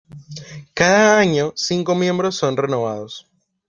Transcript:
Cada año, cinco miembros son renovados.